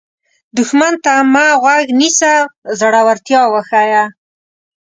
دښمن ته مه غوږ نیسه، زړورتیا وښیه